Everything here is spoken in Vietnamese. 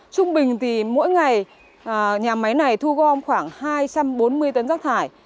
chúng mình thì mỗi ngày nhà máy này thu gom khoảng hai trăm bốn mươi tấn rác thải